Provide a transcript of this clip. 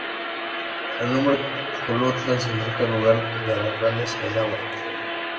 El nombre Colotlán significa "lugar de alacranes" en Náhuatl.